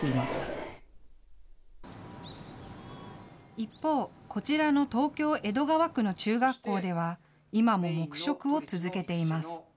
一方、こちらの東京・江戸川区の中学校では、今も黙食を続けています。